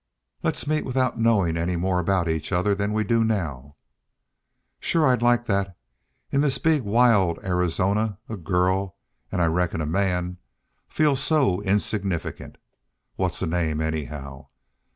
"Let's meet without knowin' any more about each other than we do now." "Shore. I'd like that. In this big wild Arizona a girl an' I reckon a man feels so insignificant. What's a name, anyhow?